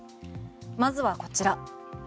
まずはこちら。